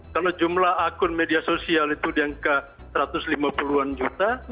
kalau jumlah akun media sosial itu di angka satu ratus lima puluh an juta